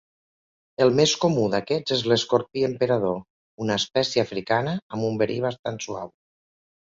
El més comú d'aquests és l'escorpí emperador, una espècie africana amb un verí bastant suau.